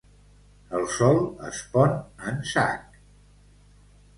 El sol es pon en sac.